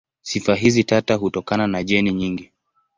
Sifa hizi tata hutokana na jeni nyingi.